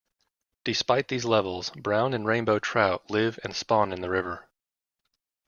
Despite these levels, brown and rainbow trout live and spawn in the river.